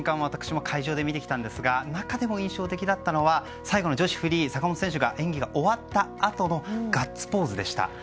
私も会場で見てきたんですが中でも印象的だったのが最後の女子フリー坂本選手の演技が終わったあとのガッツポーズでした。